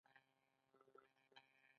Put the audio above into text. د کړنو په پرېښودلو کې هم باید پام وشي.